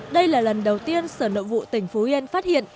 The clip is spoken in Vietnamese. đây là lần đầu tiên sở nội vụ tỉnh phú yên phát hiện